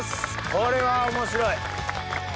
これは面白い！